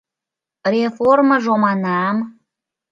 — Реформыжо, манам.